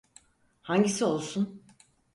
Hangisi olsun?